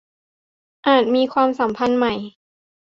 อาจมีความสัมพันธ์ใหม่